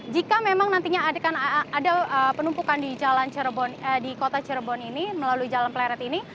jika memang nantinya akan ada penumpukan di kota cirebon ini melalui jalan pleret ini